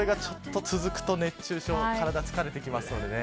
これがちょっと続くと熱中症体、疲れてきますのでね